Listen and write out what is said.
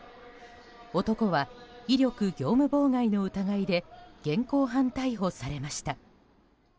男は威力業務妨害の疑いで現行犯逮捕されました。